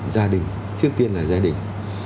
gia đình trước tiên là gia đình